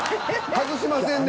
外しませんね